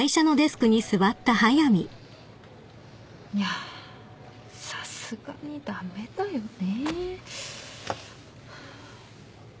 いやさすがに駄目だよね。